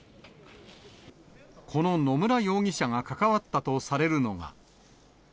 この野村容疑者が関わったとされるのが。